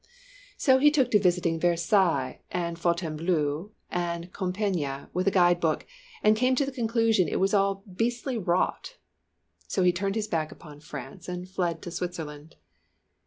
So he took to visiting Versailles and Fontainebleau and Compiègne with a guide book, and came to the conclusion it was all "beastly rot." So he turned his back upon France and fled to Switzerland.